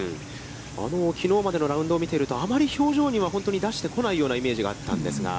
きのうまでのラウンドを見ているとあまり表情には出してこないようなイメージがあったんですが。